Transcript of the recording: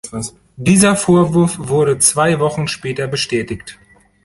Dieser Vorwurf wurde zwei Wochen später bestätigt.